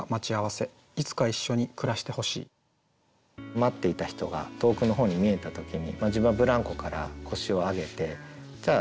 待っていた人が遠くの方に見えた時に自分はブランコから腰を上げてじゃあ